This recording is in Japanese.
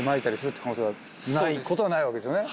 ないことはないわけですよね。